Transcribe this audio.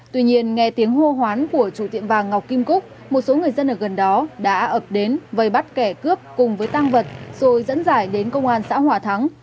tuy nhiên nghe tiếng hô hoán của chủ tiệm vàng ngọc kim cúc một số người dân ở gần đó đã ập đến vây bắt kẻ cướp cùng với tăng vật rồi dẫn dải đến công an xã hòa thắng